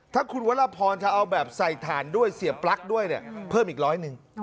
ถ้าคุณวรพรจะเอาแบบใส่ถ่านด้วยเสียปลั๊กด้วยเนี่ยเพิ่มอีกร้อยหนึ่ง